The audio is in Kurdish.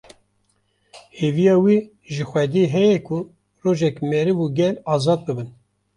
Hêviya wî ji Xwedî heye ku rojeke meriv û gel azad bibin